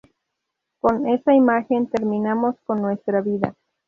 Con esta imagen terminamos con nuestra vida".